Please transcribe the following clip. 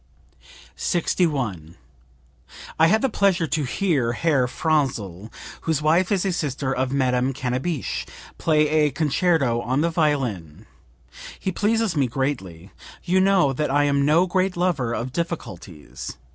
61. "I had the pleasure to hear Herr Franzl (whose wife is a sister of Madame Cannabich) play a concerto on the violin. He pleases me greatly. You know that I am no great lover of difficulties.